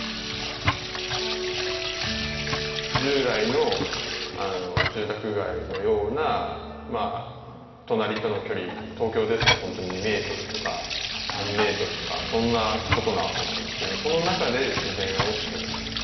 従来の住宅街のような隣との距離東京ですと本当２メートルとか３メートルとかそんなことなわけなんですけどその中で自然を作ると。